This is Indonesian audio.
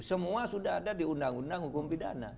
semua sudah ada di undang undang hukum pidana